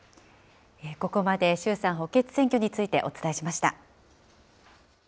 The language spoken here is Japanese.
ここまで衆参補欠選挙についてお伝えしました。